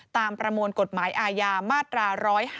ประมวลกฎหมายอาญามาตรา๑๕